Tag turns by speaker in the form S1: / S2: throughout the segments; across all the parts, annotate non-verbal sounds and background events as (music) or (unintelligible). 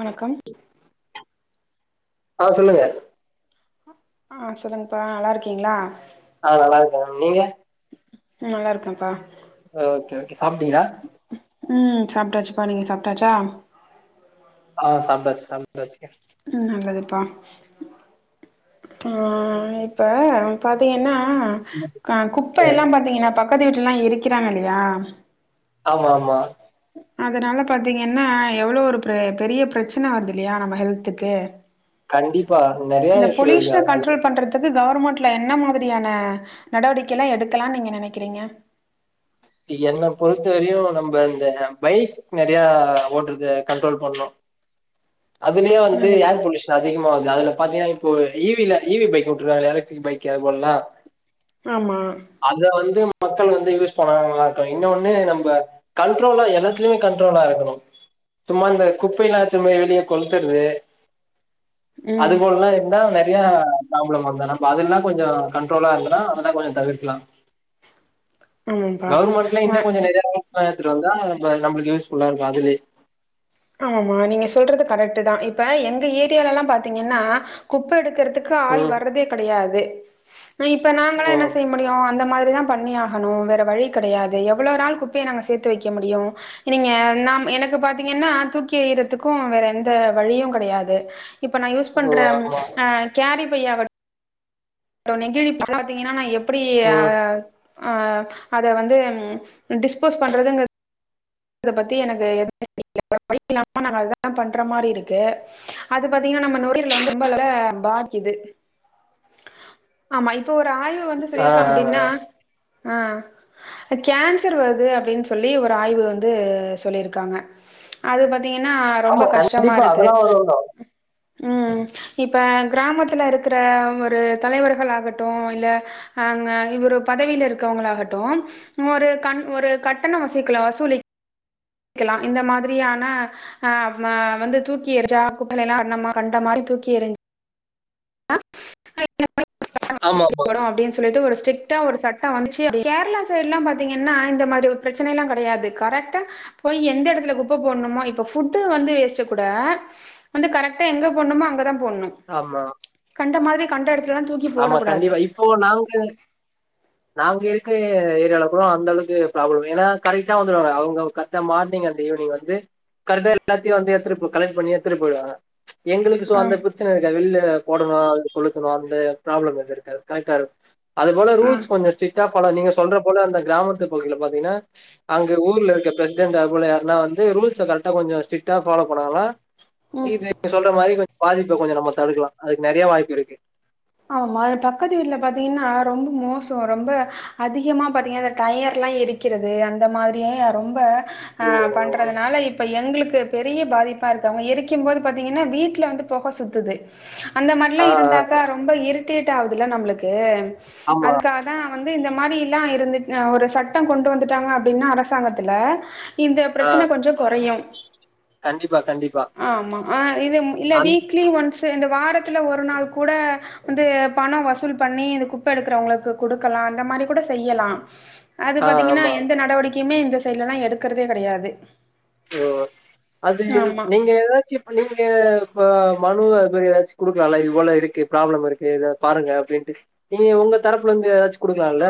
S1: வணக்கம்
S2: ஆ சொல்லுங்க
S1: ஆ சொல்லுங்கப்பா நல்லா இருக்கீங்களா
S2: ஆ நல்லா இருக்கங்க நீங்க
S1: ம் நல்லா இருக்கப்பா
S2: அ ஓகே ஓகே சாப்டீங்களா
S1: ம் சாப்ட்டாச்சுப்பா நீங்க சாப்ட்டாச்சா
S2: ஆ சாப்ட்டாச்சு சாப்ட்டாச்சு
S1: ம் நல்லதுப்பா ஆ இப்ப பாத்தீங்கன்னா அ குப்பை எல்லா பாத்தீங்கன்னா பக்கத்து வீட்டுல எல்லா எரிக்கிறாங்க இல்லயா
S2: ஆமா ஆமா
S1: அதனால பாத்தீங்கன்னா எவ்ளோ ஒரு பெர் ஒரு பெரிய பிரச்சன வருது இல்லயா நம்ம ஹெல்த்துக்கு
S2: கண்டிப்பா அது நெறையா விஷய இருக்கு அதனாலதா
S1: க்கு கவர்மண்ட்ல என்ன மாதிரியான நடவடிக்கை எல்லா எடுக்கலானு நீங்க நெனைக்கிறீங்க
S2: என்ன பொறுத்த வரையு நம்பா இந்த பைக் நெறையா ஓட்றத கண்ட்ரோல் பண்ணனு அதுலயே வந்து
S1: நல்லது
S2: ஏர் பொலிஷன் அதிகமாகுது அதுல பாத்தீங்கன்னா இப்போ இவி ல இவி பைக் வுட்டுருக்காங்கலே எலக்ட்ரிக் பைக் அது போலலா
S1: ஆம்மா
S2: அத வந்து மக்கள் வந்து யூஸ் போனங்களாட்டு இன்னொன்னு நம்ப கண்ட்ரோலா எல்லாத்துலமே கண்ட்ரோலா இருக்கணு சும்மா இந்த குப்பைலா எடுத்துட்டு போய் வெளியே கொளுத்துறது
S1: ம்
S2: அதுபோலலா இருந்தா நெறையா ப்ராப்ளம் வந்தா நம்ப அதுல்லா கெஞ்ச கண்ட்ரோலா இருந்தா அதலா கெஞ்ச தவிர்கலா
S1: ஆமாப்பா
S2: கவர்மண்ட்லா இன்னொ
S1: அ
S2: கொஞ்ச நெறையா ரூல்ஸ்லா எடுத்துட்டு வந்தா இப்ப நம்மளுக்கு யூஸ் ஃபுல்லா இருக்கும் அதுலே
S1: ஆமா நீங்க சொல்றது கரக்ட்டு தா இப்ப எங்க ஏரியால எல்லா பாத்தீங்கன்னா குப்ப எடுக்கறதுக் க்கு ஆள்
S2: ம்
S1: வர்றதே கிடையாது அ இப்ப நாங்களா
S2: ஓ
S1: என்னா செய் முடியு அந்த மாரிதா பண்ணி ஆகணு வேற வழி கிடையாது எவ்ளோ நாள் குப்பைய நாங்க சேத்து வைக்க முடியு நீங்க அ நாம் எனக்கு பாத்தீங்கன்னா தூக்கி எறிறதுக்கும் வேற எந்த வழியு கிடையாது இப்ப நா யூஸ்
S2: ஓ
S1: பண்ற
S2: ஆமா
S1: ஆ ம் கரி பை ஆகட் டோ நெகிழி பாத்தீங்கன்னா நா எப்டி் அ
S2: ம்
S1: அ ஆ அத வந்து ம் டிஸ்போஸ் பண்றதுங்கறது அத பத்தி எனக்கு எது தெரில்ல வேற வழி இல்லாமா நாங்க அதா பண்ற மாரி இருக்கு அது பாத்தீங்கன்னா நம்ப நுரையிரல்ல வந்து (unintelligible) பாதிக்குது ஆமா இப்ப ஒரு ஆய்வு வந்து
S2: ஆ
S1: சொல்லிருக்காங்க
S2: ஆ ஆ
S1: அப்டின்னா அ கன்சர் வருது அப்டின் சொல்லி ஒரு ஆய்வு வந்து து சொல்லிருக்காங்க அது பாத்தீங்கன்னா ரொம்ப
S2: ஆமா
S1: கஷ்டம்மா
S2: கண்டிப்பா
S1: இருக்கு
S2: அதெல்லாம் ஒரு வரும்.
S1: ம் இப்ப கிராமத்துல இருக்குற ஒரு தலைவர்கள் ஆகட்டு இல்ல ஆங்க இவரு பதவில இருக்குறவங்கலா ஆகட்டு ஒரு கண் ஒரு கட்டண வசூக்கல வசூலிக் கல்லா இந்த மாதிரியான ஆ ம வந்து தூக்கி எறிச்சா குப்பைல எல்லா கண் மா கண்ட மாரி தூக்கி எறிஞ் (inaudible)
S2: ஆமா ஆமா
S1: அப்பிடின் சொல்லிட்டு ஒரு ஸ்ட்ரிக்டா ஒரு சட்டோ வந்துருச்சி அப்டி கேரளா சைடு பாத்தீங்கன்னா இந்த மாதிரி ஒரு பிரச்சனைல்லா கெடயாது கரெக்டா போய் எந்த எடத்துல குப்பை போட்ணுமோ இப்ப ஃபுட்டு வந்து வேச்சாக் கூட வந்து கரெக்டா எங்க போட்ணுமோ அங்க தா போட்ணூ
S2: ஆமா
S1: கண்ட மாரி கண்ட எடத்துலல்லா தூக்கி போடக் கூடாது
S2: ஓ நாங்க நாங்க இருக்க ஏரியால கூட அந்த அளவுக்கு பிராபலம் ஏன்னா கரீக்டா வந்துருவாங்க அவங்க கா ந்த மார்னிங் அண்டு ஈவினிங் வந்து கரெக்டா எல்லத்தையூ வந்து எத்துட் பே கலெக்ட் பண்ணி எட்த்துனு போயிடுவாங்க எங்களுக்கு சோ
S1: அ
S2: அந்த பிரச்சனை கொடயாது வெள்ளில்ல போடனோ கொளுத்தனோ அந்த பிராபலம் வந்து இருக்காது கரெக்டா இருக் அது போல
S1: அ
S2: ரூல்ஸ் கொஞ்சோ ஸ்ட்ரிக்ட் டா ஃபாலோ நீங்க சொல்ற போல அந்த கிராமத்து பகுதில பாத்தீங்ன்னா அங்க ஊர்ல இருக்கர பிரசிடன்ட்டாக் கூட யார்னா வந்து ரூல்ஸ் கரெக்டா கொஞ்சோ ஸ்ட்ரிக்டா ஃபாலோ பண்ணாங்கனா
S1: ம்
S2: இது சொல்ற மாரி கொஞ்சோ பாதிப்பு கொஞ்சோ நம்ம தடுக்கலா அதுக்கு நறைய வாய்ப்பு இருக்கு
S1: ஆமா பக்கத்து வீட்டுல பாத்தீங்கன்னா ரொம்ப மோசோ ரொம்ப அதிகமா பாத்தீங்ன்னா அந்த டயர் எல்லா எரிக்கிறது அந்த மாரியே ரொம்ப ஆ
S2: ஓ,
S1: பண்றதுனால இப் இப்ப எங்களுக்கு பெரிய பாதிப்பா இருக்கு அவங்க எரிக்கும் போது பாத்தீங்ன்னா வீட்டுல வந்து பொக சுத்துது அந்த மாரிலா
S2: ஆ ஆ
S1: இருந்தாக்கா ரொம்ப இரிட்டேட் ஆகுதுல நம்மளுக்கு
S2: ஆமா
S1: அதுக்காகத் இதா வந்து இந்த மாரி எல்லா இருந்துச்சு ஒரு சட்டோ கொண்டு வந்துட்டாங்கன்னா அப்பிடின்னா அரசாங்கத்துல இந்த
S2: ஆ
S1: பிரச்சன கொஞ்சோ குறையோ
S2: கண்டிப்பா கண்டிப்பா
S1: ஆ ஆமா ஆ இது இல்ல
S2: அந்
S1: வீக்லி ஒன்ஸ்சு இந்த வாரத்துல ஒரு நாள் கூட வந்து பணம் வசூல் பண்ணி இந்த குப்ப எடுக்குறவங்களுக்கு கொடுக்கலா அந்த மாரி கூட செய்யலா அது
S2: ஆ
S1: பாத்தீங்கன்னா
S2: ஆமா
S1: எந்த நடவடிக்கையுமே இந்த சைடுல்லா எடுக்குறதே கெடயாது
S2: ஓ அது நீங்க ஏதாவத் ச்சி இப்ப நீங்க இப்ப மனு அது மாரி ஏதாச்சூ குடுக்குலான்ல்ல இவ்ளோ இருக்கு பிராபளம் இருக்கு இத பாருங்க அப்புடின்ட்டு நீங்க உங்க தரப்புல இருந்து ஏதாச்சூ குடுக்கலான்ல்ல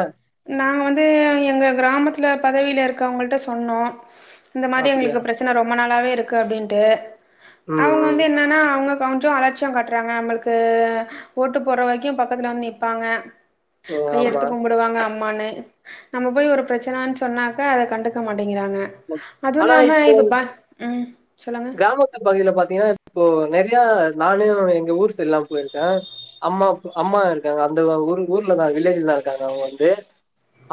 S1: நாங்க வந்து எங்க கிராமத்துல பதவியில இருக்கவங்களிட்ட சொன்னோ இந்த மாதிரி
S2: அப்டியா
S1: எங்களுக்கு பிரச்சனை ரொம்ப நாளாகவே இருக்கு அப்புடின்ட்டு
S2: ம்
S1: அவுங்க
S2: ம்
S1: வந்து என்னன்னா அவுங்க கொஞ்சோ அலட் சியோ காட்டுறாங்க நம்ளுக்கு ஓட்டு போற வரைக்கூ பக்கத்துல வந்து நிப்பாங்க
S2: ஓ
S1: கைய
S2: ஆமா
S1: எடுத்து கும்புடுவாங்க அம்மான்னு நம்ம போய் ஒரு பிரச்சனன்னு சொன்னாக்க அதை கண்டுக்க மாட்டேங்கிறாங்க அதுவூ
S2: ஆனா
S1: இல்லாம
S2: இப்போ
S1: இப்பே பா ம் சொல்லுங்க
S2: கிராமத்து பகுதியில பாத்தீங்கன்னா இப்போ நெரிய நானேஎங்க ஊர் சைடுலா போயிருக்கே அம்மா வு அம்மா இருக்காங்க அந்த ஊர் ஊர்லதா வில்லேஜ்லதா இருக்காங்க அவுங்க வந்து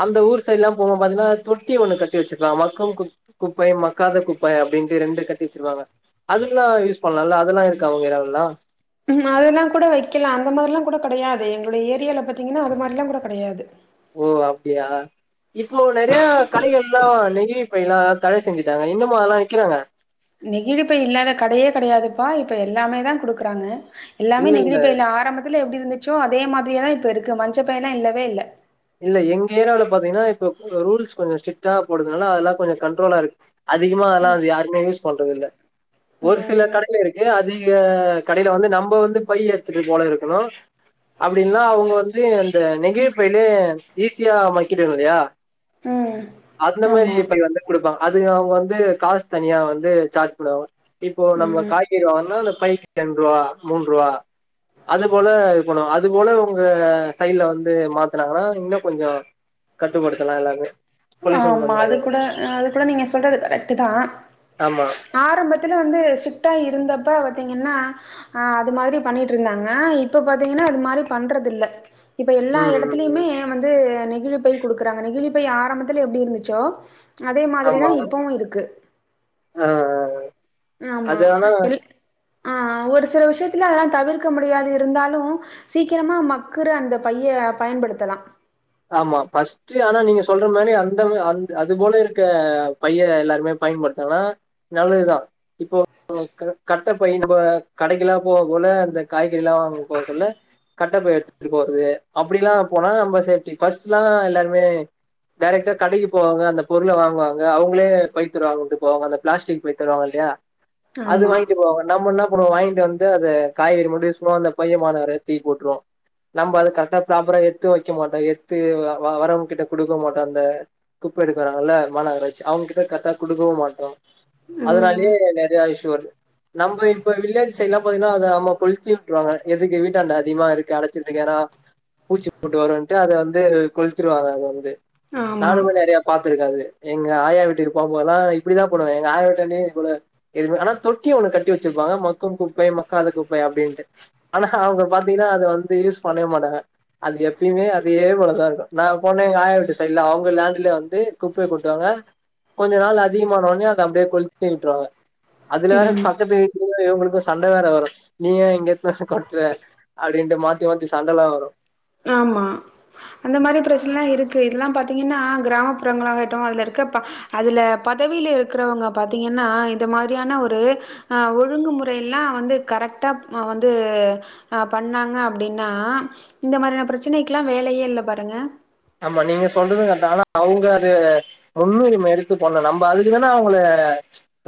S2: அந்த ஊர் சைடுல்லா போவ் போது பாத்திங்ன்னா தொட்டி ஒன்னு கட்டி வச்சிருப்பாங்க மக்கும் குப் குப்பை மக்காத குப்பை அப்புடின்ட்டு ரெண்டு கட் டி வச்சிருவாங்க அதுக்கெல்லா யூஸ் பண்லா இல்ல அதெல்லா இருக்கா உங்க ஏரியவ்ல்லா
S1: ம் அதெல்லா கூட வைக்கலா அந்த மாதிரிலா கூட கெடயாது எங்களுடைய ஏரியாவில பாத்தீங்கன்னா அது மாதிரிலா கூட கெடயாது
S2: ஓ அப்பிடியா இப்போ நெறய கடைகள்லா நெகிழி பைல்லா தடை செஞ்சுடாங்க இன்னுமா அதல்லா விக்குறாங்க
S1: நெகிழி பை இல்லாத கடையே கேடயாதுப்பா இப்ப எல்லாமே தா குடுக்குறாங்க எல்லாமே
S2: இல்ல இல்ல
S1: நெகிழிப்பைல்ல ஆரம்பத்துல எப்டி இருச்சோ அதே மாதிரியே தா இப்ப இருக்கு மஞ்ச பையெல்லா இல்லவே இல்ல
S2: இல்ல எங்க ஏரியாவுல பாத்தீங்கன்னா இப்ப ரூல்ஸ் கொஞ்சோ ஸ்ட்டா போடுதுனால அதெல்லா கொஞ்சோ கண்ட்ரோலா இருக்கு அதிகமா அதெல்லா அது யாருமே யூஸ் பண்றது இல்ல ஒரு சில
S1: ம்
S2: கடயில இருக்கு அதிக கடயில வந்து நம்ம வந்து பை எத்துட்டு போல இருக்குணு அப்டின்னா அவுங்க வந்து அந்த நெகிழ் பை இதுலே ஈஸியா மக்கிட்டு இல்லியா
S1: ம்
S2: அந்த
S1: ஆமா
S2: மேரி பை வந்து குடுப்பாங்க அது அவுங்க வந்து காஸ் தனியா வந்து சார்ஜ் பண்ணுவாங்க இப்போ நம்ம
S1: ம்
S2: காய் காய்கறி வாங்குன்னா அந்த பைக்கு ரெண்டு ரூவா மூன் ரூவா அது போல இது பண்ணுவாங்க அது போல உங்க சைட்ல வந்து மாத் துனாங்கனா இன்னு கொஞ்சோ கட்டுப்படுத்தலா எல்லாமே பொல்யூஷன்
S1: ஆமா
S2: கொஞ்சோ
S1: அது
S2: நல்லது
S1: கூட அது கூட நீங்க சொல்றது கரெக்ட் தா
S2: ஆமா
S1: ஆரம்பத்துல வந்து ஸ்ட்ரிக்ட்டா இருந்தப்ப பாத்தீங்கன்னா ஆ அது மாரி பண்ணிட்டு இருந்தாங்க இப்ப பாத்தீங்கன்னா அது மாரி பண்றது இல்ல இப்ப எல்லா
S2: ம் ம்
S1: எடத்துலியுமே
S2: ம்
S1: வந்து நெகிழி பை குடுக்குறாங்க நெகிழி பை ஆரம்பத்துல எப்டி இருந்துச்சோ அதே மாதிரி தா இப்பவு இருக்கு
S2: அ அ அ
S1: ஆமா எல் ஆ ஒரு சில விஷியத்துல அதெல்லா தவிர்க்க முடியாது இருந்தாலு சீக்கிரமா மக்குரு அந்த பைய பயன்படுத்துல்லா
S2: ஆமா ஃபர்ஸ்ட் இருந்துச்சீ ஆனா நீங்க சொல்ற மாரி அந்த அந்த அது போல இருக்க பைய எல்லாருமே பயன்படுத்தனா நல்லதுதா இப்போ க க கட் கட்டபை நம்ப கடைக்கெல்லா போக போல அந்த காய்கறிலா வாங்க போகதுல்ல கட்டப்பைய் எடுத்துட்டு போறது அப்டிலா போனா நம்ம சேஃப்டி ஃபர்ஸ்ட்ல்லா எல்லாருமே டெரக்டா கடைக்கு போவாங்க அந்த பொருள வாங்குவாங்க அவுங்களே பைத் தருவாகனுட்டு போவாங்க அந்த பிளாஸ்டிக் பை தருவாங்க இல்லியா அது
S1: ஆமா
S2: வாங்கிட்டு போவாங்க நம்மென்னா அப்றோ வாங்கிட்டு வன்ட்டு அத காய்கறி மட்டு யூஸ் பண்ணுவோ அந்த பையா மாணவரியா தூக்கி போட்ருவோ நம்ம அது கரெக்டா ப்ராப்பரா எத்து வைக்க மாட்டோ எத்து வரவங்க கிட்ட குடுக்க மாட்டோ அந்த குப்ப எடுக்க வறாங்கல்ல மாநகராட்சி அவுங்க கிட்ட கரெக்ட்டா குடுக்கவு மாட்டோ அதுனாலயே
S1: ம்
S2: நெறைய இச்சு வருது நம்ம இப்ப வில்லேஜ் சைடுல்லா பாத்தீங்கன்னா அத அம்மா கொளித்தி விட்றுவாங்க எதுக்கு வீட்டாண்ட அதிமா இருக்கு அடச்சிட்டு இருக்க ஏனா பூச்சி புட்டு வருண்ட்டு அத வந்து கொளுத்துருவாங்க அத வந்து
S1: ஆமா
S2: நானுமே நெறைய பாத்துருக்காது எங்க ஆயா வீட்டுக்கு போபோதல்லா இப்டிதா பண்ணுவ எங்க ஆயா வீட்டாண்டயே கூட இதுகான தொட்டி ஒன்னு கட்டி வச்சிருப்பாங்க மக்கு குப்பை மக்காத குப்பை அப்டின்ட்டு ஆனா அவுங்க பாத்தீங்கனா அத வந்து யூஸ் பண்ண மாட்டாக அது எப்பியுமே அதே குப்பயோடதா இருக்கு நா போனே எங்க ஆய வீட்டு சைட்ல அவுங்க லெண்டுல வந்து குப்பய கொட்டுவாங்க கொஞ்சோ நாள் அதிகமானவோனே அத அப்டியே கொளித்தீவுட்டுர்வாங்க அதுல வேற
S1: ம்
S2: பக்கத்து விட் இதுல இவுங்களுக்கு சண்ட வேற வரு நீ ஏ இங்க வந்து கொட்ற அப்டிட்டு மாத்தி மாத்தி சண்டலா வரு
S1: ஆம்மா அந்த மாரி பிரச்சனலா இருக்கு இதெல்லா பாத்தீங்கன்னா கிராமப்புறங்களாகட்டு அதுல இருக்க ப்பா அதுல பதவியில இருக்கறவங்க பாத்தீங்கன்னா இந்த மாரியான ஒரு அ ஒழுங்குமுறை எல்லா வந்து கரெக்டா வந்து அ பண்ணாங்க அப்டின்னா இந்த மாரியான பிரச்சனைக்கிலா வேலயே இல்ல பாருங்க
S2: ஆமா நீங்க சொல்றது கரெக்ட் ஆனா அவுங்க அது முன்னுரிமை எடுத்து பண்ணணு நம்ம அதுக்கு தான அவுங்கள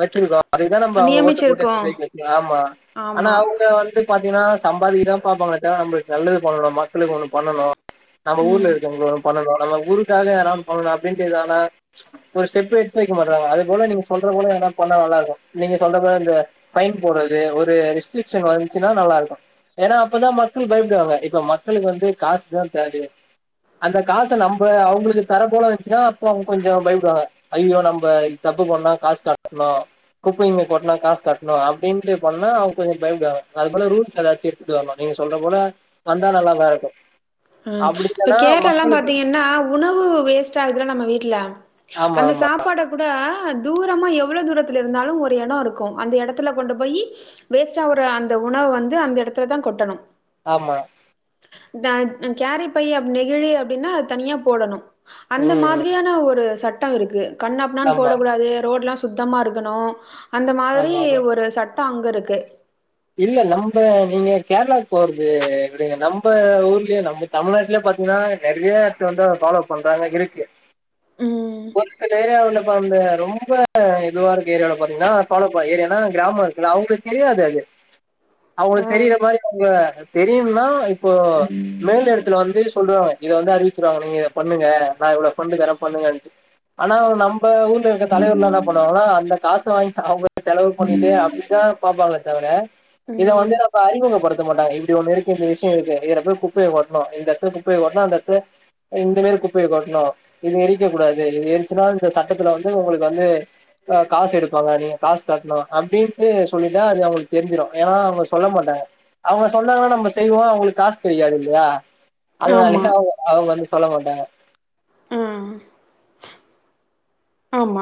S2: வச்சிருக்கோ அதுக்குதா நம்போ அவுங்கள ஓட்டு
S1: நியமிச்சிருக்கோ
S2: போட்டு ஜெய்க்க வெச்சிறோ ஆமா ஆனா
S1: ஆமா
S2: அவுங்க வந்து பாத்தீங்கன்னா சம்பாதிக்க தா பாப்ங்க தா நம்மளுக்கு நல்லது பண்ணுன மக்களுக்கு ஒண்ணு பண்ணணு நம்ம ஊர்ல
S1: ம்
S2: இருக்கவங்க பண்ணணும் நம்ம ஊருக்காக யாராவுது பண்ணணு அப்டின்துனா ஒரு ஸ்டெப் எடுத்து வக்க மாட்டறாங்க அது போல நீங்க சொல்ற போல என்ன பண்ணா நல்லா இருக்கு நீங்க சொல்ற போல இந்த பைன் போடுறது ஒரு ரெஸ்ட்ரிக்ஷன் வந்துச்சுன்னா நல்லா இருக்கு ஏன்னா அப்ப தா மக்கள் பயப்படுவாங்க இப்ப மக்களுக்கு வந்து காசுதா தேவயே அந்த காச நம்ம அவங்களுக்கு தர போல வச்சுன்னா அப்போ அவங்க கொஞ்சோ பயப்படுவாங்க ஐய்யோ நம்ம இத் தப்பு போண்ணா காசு கட்டனோ குபிங்க கொட்டா காசு கட்னோ அபிடின்டு பண்ணா அவங்க கொஞ் பயுபுடுவாக அது போல ரூல்ஸ் ஏதாசி (unintelligible) நீங்க சொல்ற போல வந்தா நல்லலா இருக்கும் அப்டிஇல்லான மக்
S1: அப்ரம் பாத்திகனா உணவு வேஸ்ட் ஆகுதுல நம்ம வீட்டுல
S2: ஆமா
S1: அந்த
S2: ஆமா
S1: சாப்பாட கூட தூரமா எவ்வளவு தூரத்துல இருந்தாலு ஒரு எடோ இருக்கோ அந்த எடதுல கொண்டு போயி வேஸ்டாவற அந்த உணவு வந்து அந்த இடதலதா கொட்டனு
S2: ஆமா
S1: தட் கேரி பை அப் நெகிழி அப்டினா தனியா போடனு அந்த
S2: ம்
S1: மாதிரியான ஒரு சட்டோ இருக்கு கண்ண பின்னானு
S2: ஆமா
S1: போடகூடாது ரோடுல சு சுத்தமா இருகனு அந்த மாரி
S2: ஆமா ஆமா
S1: ஒரு சட்டோ அங்கு இருக்கு
S2: இல்ல நம்ப நீங்க கேரளாகு போறது இபடி நம்ப ஊர்லியே நமக் தமிழ்நாட்ல பாத்தீங்ன்னா நெறய இத்து வந்து அத ஃபாலோ பண்றாங்க இருக்கு
S1: ம்
S2: ஒரு சில ஏரியாவ உள்ள பாம்ப ரொம்ப இதுவா இருக்கு ஏரியாவுல பாத்தீங்ன்னா ஃபாலோபாய் ஏரியானா கிராம இருக்குல அவ்ங்ளுக் தெரியாது அது
S1: ஆ
S2: அவ்ங்ளுக்கு தெரிற மாரி அவ்ங்க தெரியும்னா இப்போ மேல் இடத்துல வந்து சொல்ற இத வந்து அறிவிச்சிருவாங்க நீங்க இத பண்ணுங்க நா இவ்லோ ஃபண்டு தர பண்ணுங்கன்ட்டு ஆனா நம்ம ஊர்ல இருகுற தலைவர்லா என்ன பண்ணுவாங்கன்னா அந்த காசு வாங்கி அவ்ங்க செலவு பண்ணிட்டு அப்டித்தா பாப்பாங்க தவர இத வந்து
S1: ம்
S2: நம்ம அறிமுகப்படுத்த மாட்டாங்க இப்டி ஒன்னு இருக்கு இந்த விஷயோ இருக்கு இத எனக்கு குப்பய கொட்ணு இந்த போய் ஒட்னா அந்தத்து இந்த மேரி குப்பைய கொட்ணு இது எரிக்க கூடாது இது எரிச்சுன்னா இந்த சட்டத்துல வந்து உங்களுக்கு வந்து காசு எடுப்பாங்க நீங்க காசு கட்ணு அப்டின்ட்டு சொல்லிட்டா அது அவங்களுக் தெரிஞ்சிரு ஏன்னா அவ்ங்க சொல்ல மாட்டாங்க அவ்ங்க சொன்னாங்கன்னா நம்ம செய்வோ அவ்ங்ளுக்கு காசு கெடைக்காது இல்லயா அதனாலயே
S1: ஆமா
S2: அவ்ங்க அவ்ங்க வந்து சொல்ல மாட்டாங்க
S1: ம் ஆமா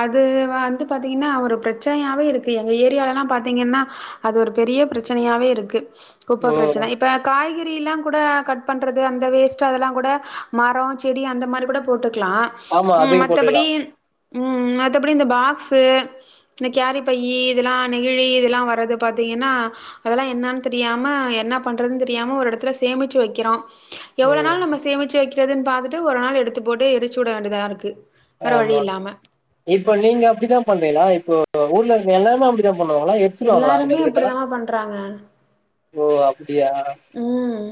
S1: அது வந்து பாத்தீங்ன்னா ஒரு பிரச்சனயாவே இருக்கு எங்க ஏரியாலல்லா பாத்தீங்ன்னா அது ஒரு பெரிய பிரச்சனயாவே இருக்கு குப்ப
S2: ம்
S1: பிரச்சன இப் இப்ப காய்கறிலா கூட கட் பண்றது அந்த வேஸ்ட்டு அதெல்லா கூட மரொ செடி அந்த மாரி கூட போட்டுக்லா
S2: ஆமா அதயு போட்டுக்லா
S1: மம் மத்தபடி இந்த பாக்ஸு இந்த கேரி பையி இதெல்லா நெகிழி இதெல்லா வர்ரது பாத்திங்கன்னா அதெல்லா என்னன் தெரியாம என்ன பண்றதுன் தெரியாம ஒரு எடத்துல சேமிச்சு வைக்கொறோ எவ்ளோ
S2: ம்
S1: நாள் நம்ம சேமிச்சு வைக்கிறதுன்னு பாத்துட்டு ஒரு நாள் எடுத்து போட்டு எரிச்சு விட வேண்டியதா இருக்கு வேற வழி
S2: ஆமா
S1: இல்லாம
S2: இப்போ நீங்க அப்டி தா பண்றீங்களா இப்போ ஊர்ல இருக்க எல்லாருமே அப்டி தா பண்ணுவாங்களா வச்சிருவாங்ளா அங்க
S1: எல்லாருமே
S2: இருக்கதுல்லா
S1: அப்படிதாமா பண்றாங்க
S2: ஓ அப்டியா
S1: ம்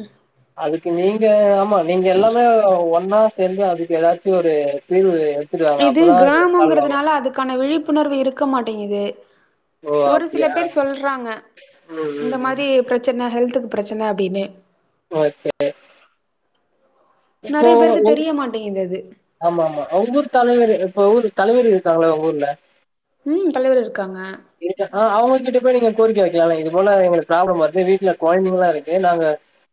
S2: அதுக்கு நீங்க ஆமா நீங்க எல்லாமே ஒன்னா சேந்து அதுக்கு ஏதாச்சு ஒரு தீர்வு எடுத்துட்டு வாங்க
S1: இது
S2: அப்பதா அது சால்வ் ஆகு
S1: கிராமங்கிறதுனால அதுக்கான விழிப்புணர்வு இருக்க மாட்டேங்குது
S2: ஓ
S1: ஒரு சில
S2: அப்டியா
S1: பேர் சொல்றாங்க
S2: ம் ம்
S1: இந்த
S2: ம்
S1: மாரி பிரச்சன ஹெல்த்துக் பிரச்சன அப்டின்னு
S2: ஓகே இப்போ
S1: நெறைய பேருக்கு
S2: ஒ
S1: தெரிய மாட்டேங்குது அது
S2: ஆமா ஆமா அவ்ஊர் தலைவரு இப்ப ஒவ்வொரு தலைவரு இருக்காங்ள உங்க ஊர்ல
S1: ம் தலைவர் இருக்காங்க
S2: இருக்கு ஆ அவ்ங்ககிட்ட போய் நீங்க கோரிக்க வைக்கலால இது போல எங்களுக் ப்ராப்ளம் வருது வீட்ல கொழந்தைங்கள்ளா இருக்கு நாங்க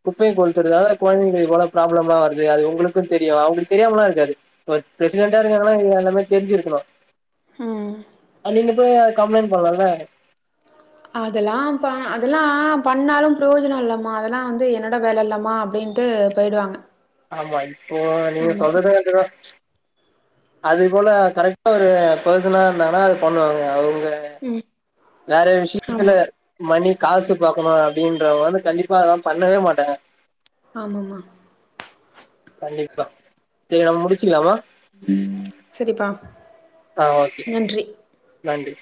S2: குப்பைய கொல்துறதா கொழந்தைங்களுக் வர ப்ராம்ளம்லா வருது அது உங்ளுக்கு தெரியு அவ்ங்ளுக் தெரியாமலா இருக்காது ஒரு பிரசிடெண்டா இருக்காகன்னா எல்லாமே தெரிஞ்சுருக்கணு
S1: ம்
S2: அ நீங்க போய் கம்ப்ளைண்ட் பண்லால்ல
S1: அதெல்லா பா அதெல்லா பண்ணாலு பிரயோஜன இல்லம்மா அதெல்லா வந்து என்னோட வேல இல்லம்மா அப்டின் ட்டு பேயிடுவாங்க
S2: ஆமா இப்போ நீங்க சொல்றத (unintelligible) அது போல கரெக்ட்டா ஒரு பர்சனா இருந்தாங்கன்னா அது பண்ணுவாங்க அவுங்க
S1: ம்
S2: வேற விஷயத்துல
S1: ஆமா
S2: மணி காசு பாக்கணு அப்டின்றவங்க வந்து கண்டிப்பா அதலா பண்ணவே மாட்டாங்க
S1: ஆமம்மா
S2: கண்டிப்பா சேர் நம் முடிச்சுகலாமா ம்
S1: சரிப்பா
S2: அ ஓகே
S1: நன்றி
S2: நன்றி